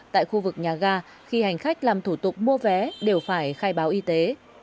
tại khu vực nhà ga khi hành khách làm thủ tục mua vé đều phải khai báo y tế